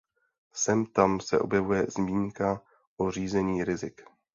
Sem tam se objevuje zmínka o řízení rizik.